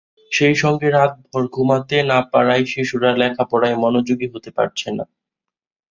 সেই সঙ্গে রাতভর ঘুমাতে না পারায় শিশুরা লেখাপড়ায় মনোযোগী হতে পারছে না।